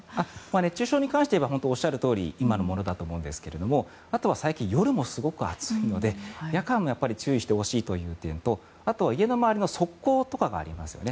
熱中症に関して言えばおっしゃるとおり今のものだと思うんですがあとは最近、夜もすごく暑いので夜間は注意してほしいという点とあと、家の周りの側溝とかがありますね。